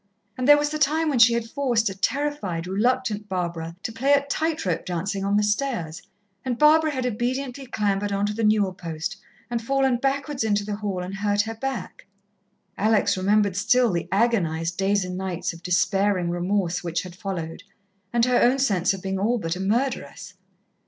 And there was the time when she had forced a terrified, reluctant Barbara to play at tight rope dancing on the stairs, and Barbara had obediently clambered on to the newel post, and fallen backwards into the hall and hurt her back. Alex remembered still the agonized days and nights of despairing remorse which had followed, and her own sense of being all but a murderess.